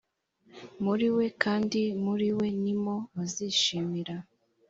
muri we kandi muri we ni mo bazishimira